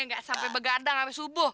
nggak sampai begadang sampai subuh